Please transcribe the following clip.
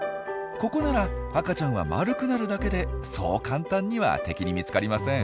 ここなら赤ちゃんは丸くなるだけでそう簡単には敵に見つかりません。